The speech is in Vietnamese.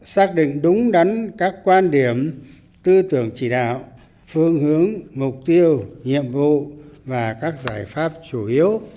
xác định đúng đắn các quan điểm tư tưởng chỉ đạo phương hướng mục tiêu nhiệm vụ và các giải pháp chủ yếu